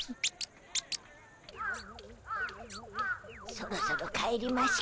そろそろ帰りましゅか。